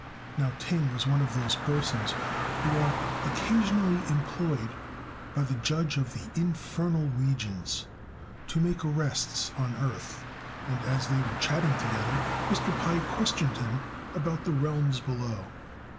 Now Ting was one of those persons who are occasionally employed by the Judge of the Infernal Regions to make arrests on earth; and, as they were chatting together, Mr. Pai questioned him about the realms below.